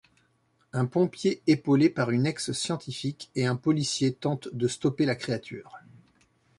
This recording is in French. Un pompier épaulé par un ex-scientifique et un policier tente de stopper la créature.